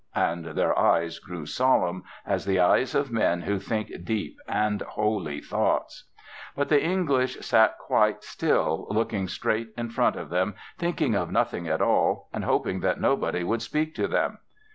and their eyes grew solemn as the eyes of men who think deep and holy thoughts. But the English sat quite still, looking straight in front of them, thinking of nothing at all, and hoping that nobody would speak to them.